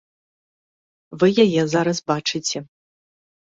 Вы яе зараз бачыце.